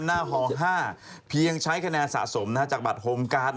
หน้าฮ๕เพียงใช้คะแนนสะสมจากบัตรโฮมการ์ด